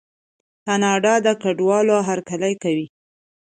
کاناډا د کډوالو هرکلی کوي.